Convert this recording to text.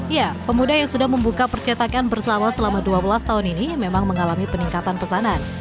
ya pemuda yang sudah membuka percetakan bersama selama dua belas tahun ini memang mengalami peningkatan pesanan